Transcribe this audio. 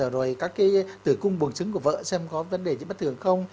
rồi các cái tử cung bường chứng của vợ xem có vấn đề gì bất thường không